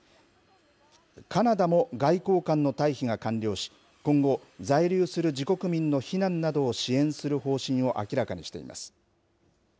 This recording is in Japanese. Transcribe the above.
カナダも外交官の退避が完了し、今後、在留する自国民の避難などを支援する方針を明らかにしています。